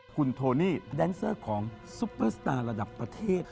คุณโทนี่แดนเซอร์ของซุปเปอร์สตาร์ระดับประเทศ